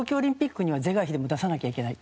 まず１つは東京オリンピックには是が非でも出さなければいけない。